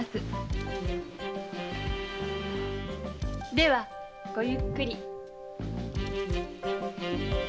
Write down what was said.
ではごゆっくり。